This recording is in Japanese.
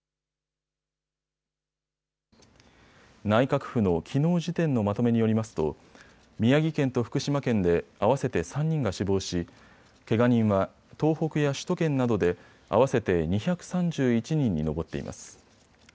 内閣府のきのう時点のまとめによりますと宮城県と福島県で合わせて３人が死亡しけが人は東北や首都圏などで合わせて２３１人に上っています。